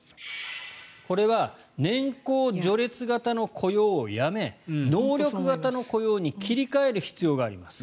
これは年功序列型の雇用をやめ能力型の雇用に切り替える必要があります。